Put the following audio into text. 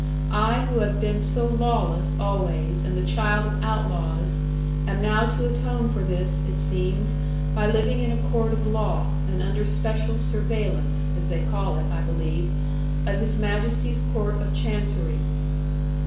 I, who have been so lawless always, and the child of outlaws, am now to atone for this, it seems, by living in a court of law, and under special surveillance (as they call it, I believe) of His Majesty's Court of Chancery.